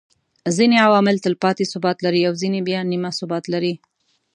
ځيني عوامل تلپاتي ثبات لري او ځيني بيا نيمه ثبات لري